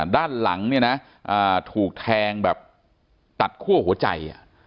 ด้านหลังถูกแทงแบบตัดคั่วหัวใจ